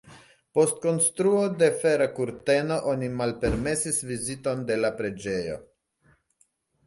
Post konstruo de Fera kurteno oni malpermesis viziton de la preĝejo.